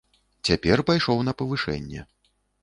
Цяпер пайшоў на павышэнне.